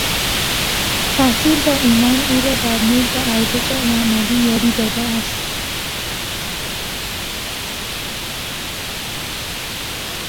تحصیل و ایمان، او را در نیل به ارزش معنوی یاری داده است.